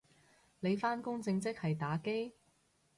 你返工正職係打機？